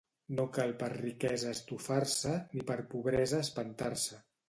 No cal per riquesa estufar-se ni per pobresa espantar-se.